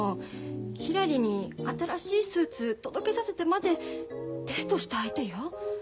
ひらりに新しいスーツ届けさせてまでデートした相手よ。